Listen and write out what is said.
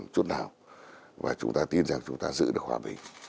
chút nào và chúng ta tin rằng chúng ta giữ được hòa bình